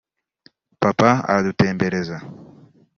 Papa akadutembereza